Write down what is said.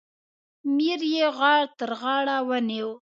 میر یې تر غاړه ونیوی.